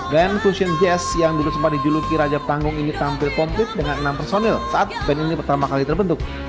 band fusion jazz yang dulu sempat dijuluki raja panggung ini tampil komplit dengan enam personil saat band ini pertama kali terbentuk